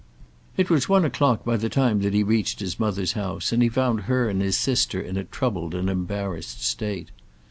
It was one o'clock by the time that he reached his mother's house, and he found her and his sister in a troubled and embarrassed state.